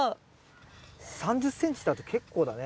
３０ｃｍだと結構だね。